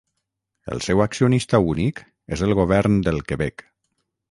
El seu accionista únic és el govern del Quebec.